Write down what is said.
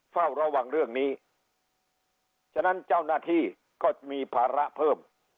เฝ้าระวังเรื่องนี้ฉะนั้นเจ้าหน้าที่ก็มีภาระเพิ่ม